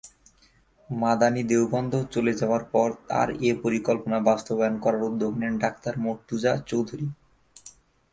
মাদানি দেওবন্দ চলে যাওয়ার পর তার এ পরিকল্পনা বাস্তবায়ন করার উদ্যোগ নেন ডাক্তার মুর্তজা চৌধুরী।